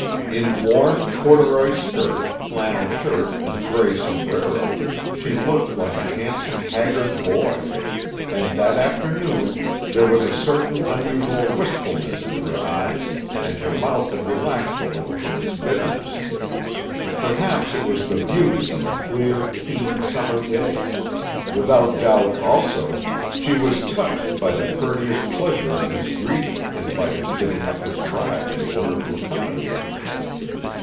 In worn corduroy skirt, flannel shirt, and gray sombrero, she looked like a handsome, haggard boy, and, that afternoon, there was a certain unusual wistfulness in her eyes, and her mouth had relaxed a little from its bitterness. Perhaps it was the beauty of a clear, keen summer day; without doubt, also, she was touched by the courteous pleasure of his greeting and by his giving up his ride in order to accompany her.